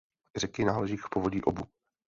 Řeky náleží k povodí Obu.